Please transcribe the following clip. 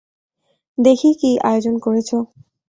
দেখি, কী আয়োজন করেছ।